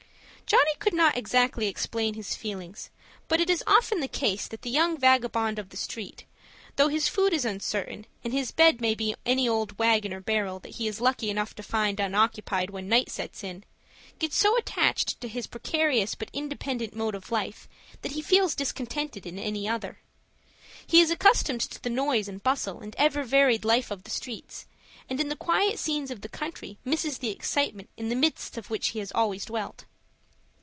Johnny could not exactly explain his feelings, but it is often the case that the young vagabond of the streets, though his food is uncertain, and his bed may be any old wagon or barrel that he is lucky enough to find unoccupied when night sets in, gets so attached to his precarious but independent mode of life, that he feels discontented in any other. He is accustomed to the noise and bustle and ever varied life of the streets, and in the quiet scenes of the country misses the excitement in the midst of which he has always dwelt.